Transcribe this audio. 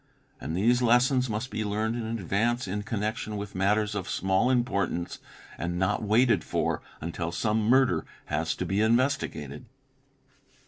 And these lessons must be learned in advance in connection with matters of small importance and not waited for until some murder has to be investigated.